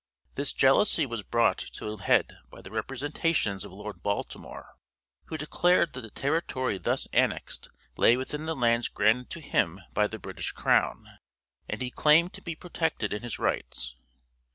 This jealousy was brought to a head by the representations of Lord Baltimore, who declared that the territory thus annexed lay within the lands granted to him by the British Crown, and he claimed to be protected in his rights.